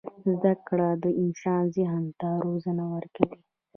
• زده کړه د انسان ذهن ته وزرونه ورکوي.